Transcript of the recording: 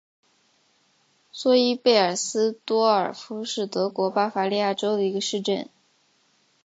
索伊贝尔斯多尔夫是德国巴伐利亚州的一个市镇。